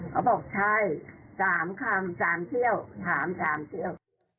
เขาบอกใช่๓คำ๓เที่ยวถาม๓เที่ยว